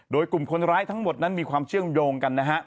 โดยกลุ่มคนร้ายทั้งหมดนั้นมีความเชื่อมโยงกันนะฮะ